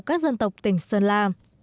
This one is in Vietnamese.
các dân tộc tỉnh sơn la